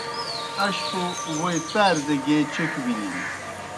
اشپوْ ووئی تاریْ دہ گیے چوکیْ بِلِن۔